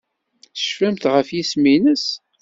Tecfamt ɣef yisem-nnes?